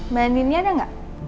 mbak andinnya ada gak